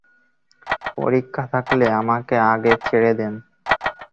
পরীক্ষা থাকলে আমাকে আগে ছেড়ে দেন।